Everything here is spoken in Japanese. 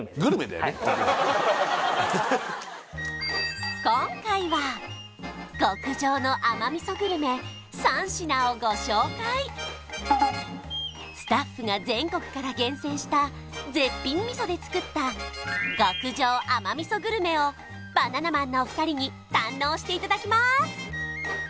はい今回は極上の甘味噌グルメ３品をご紹介スタッフが全国から厳選した絶品味噌で作った極上甘味噌グルメをバナナマンのお二人に堪能していただきます